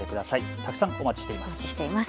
たくさんお待ちしています。